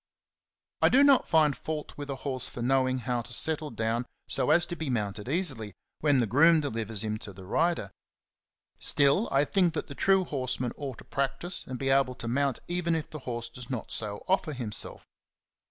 I do not find fault with a horse for knowing how to settle down ^7 so as to be mounted easily, when the groom delivers him to the rider; still, I think that the true horse man ought to practise and be able to mount even if the horse does not so offer himself.